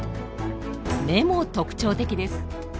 目も特徴的です。